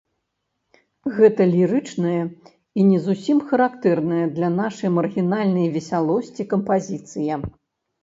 Гэта лірычная і не зусім характэрная для нашай маргінальнай весялосці кампазіцыя.